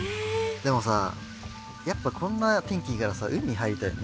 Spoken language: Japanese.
でもさやっぱこんな天気いいからさ海に入りたいよね。